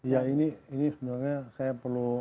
ya ini sebenarnya saya perlu